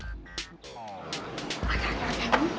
akan akan akan